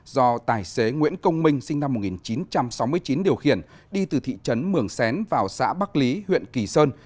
do tài xế nguyễn công minh sinh năm một nghìn chín trăm sáu mươi chín điều khiển đi từ thị trấn mường xén vào xã bắc lý huyện kỳ sơn